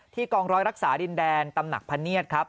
กองร้อยรักษาดินแดนตำหนักพะเนียดครับ